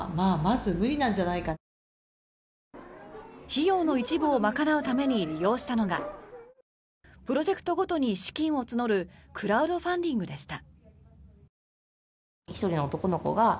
費用の一部を賄うために利用したのがプロジェクトごとに資金を募るクラウドファンディングでした。